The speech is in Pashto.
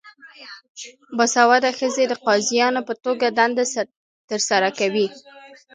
باسواده ښځې د قاضیانو په توګه دنده ترسره کوي.